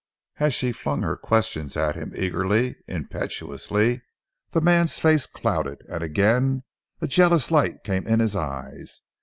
As she flung her questions at him eagerly, impetuously, the man's face clouded, and again a jealous light came in his eyes.